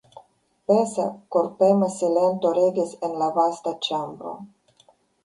Pesa, korprema silento regis en la vasta ĉambro.